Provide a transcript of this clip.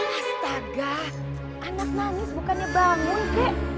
astaga anak nangis bukannya bangun kek